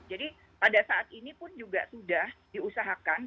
jadi pada saat ini pun juga sudah diusahakan